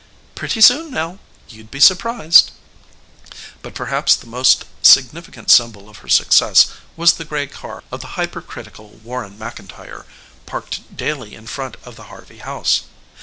"Pretty soon now. You'd be surprised." But perhaps the most significant symbol of her success was the gray car of the hypercritical Warren McIntyre, parked daily in front of the Harvey house.